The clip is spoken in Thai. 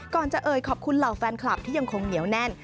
ก่อนจะเอ่ยขอบคุณเหล่าแฟนคลับที่ยังคงเหนียวแน่น